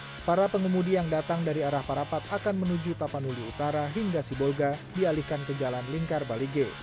begitu juga sebaliknya pengemudi yang datang dari arah tapanuli utara akan menuju tapanuli utara hingga sibolga dialihkan ke jalan lingkar bali g